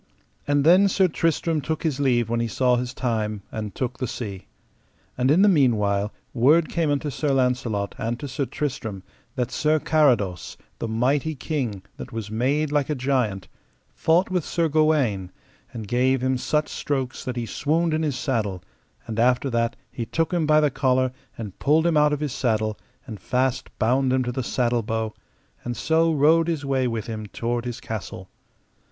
And then Sir Tristram took his leave when he saw his time, and took the sea. And in the meanwhile word came unto Sir Launcelot and to Sir Tristram that Sir Carados, the mighty king, that was made like a giant, fought with Sir Gawaine, and gave him such strokes that he swooned in his saddle, and after that he took him by the collar and pulled him out of his saddle, and fast bound him to the saddle bow, and so rode his way with him toward his castle.